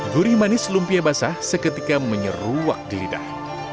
gurih manis lumpia basah seketika menyeruak di lidah